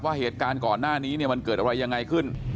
ว่าเหตุการณ์ก่อนหน้านี้เนี่ยมันเกิดอะไรยังไงขึ้น